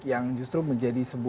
yang justru menjadi sebuah